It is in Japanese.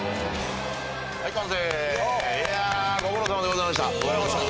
いやご苦労さまでございました。